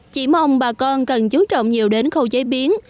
chỉ mong bà con cần chú trọng nhiều đến khâu chế biến